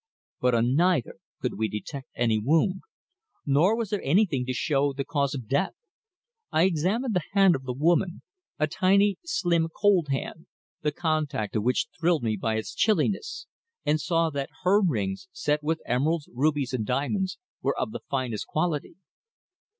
But on neither could we detect any wound, nor was there anything to show the cause of death. I examined the hand of the woman, a tiny, slim, cold hand, the contact of which thrilled me by its chilliness, and saw that her rings, set with emeralds, rubies and diamonds, were of the finest quality.